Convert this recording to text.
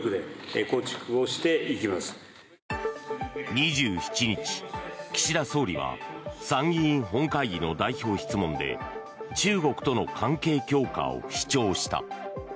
２７日、岸田総理は参議院本会議の代表質問で中国との関係強化を主張した。